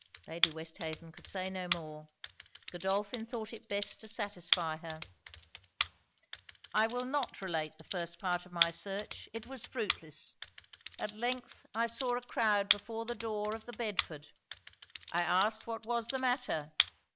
Lady Westhaven could say no more. Godolphin thought it best to satisfy her. 'I will not relate the first part of my search. It was fruitless. At length I saw a croud before the door of the Bedford. I asked what was the matter?